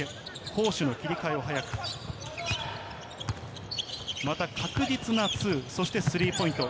攻守の切り替えを速く、また確実なツー、そしてスリーポイント。